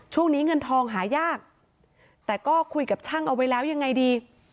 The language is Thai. เงินทองหายากแต่ก็คุยกับช่างเอาไว้แล้วยังไงดี